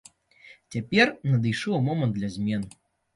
Цяпер надышоў момант для змен.